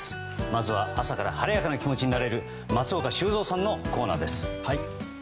まずは朝から晴れやかな気持ちになれる松岡修造さんのコーナーです。